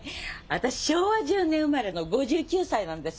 私昭和１０年生まれの５９歳なんです。